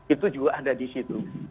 itu juga ada disitu